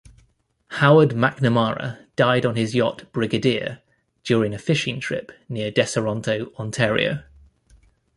Howard McNamara died on his yacht "Brigadier" during a fishing trip near Deseronto, Ontario.